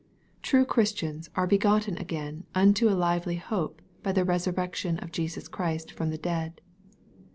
True Christians are " begotten again unto a lively hope by the resurrection of Jesus Christ from the dead."